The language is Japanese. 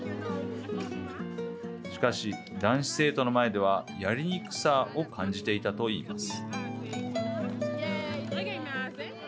しかし、男子生徒の前ではやりにくさを感じていたといいます。